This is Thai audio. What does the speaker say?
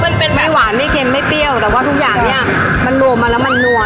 มันเป็นไม่หวานไม่เค็มไม่เปรี้ยวแต่ว่าทุกอย่างเนี้ยมันรวมมาแล้วมันนัว